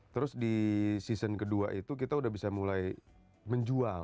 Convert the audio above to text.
terus di season kedua itu kita udah bisa mulai menjual